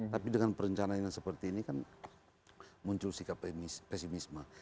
tapi dengan perencanaan yang seperti ini kan muncul sikap pesimisme